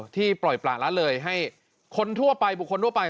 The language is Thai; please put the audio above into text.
ปล่อยประละเลยให้คนทั่วไปบุคคลทั่วไป